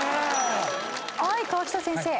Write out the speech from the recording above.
はい河北先生。